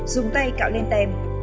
dùng tay cạo lên tem